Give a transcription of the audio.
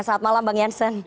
saat malam bang janssen